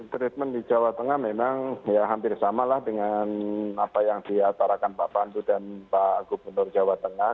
treatment di jawa tengah memang ya hampir sama lah dengan apa yang diatarakan pak pandu dan pak gubernur jawa tengah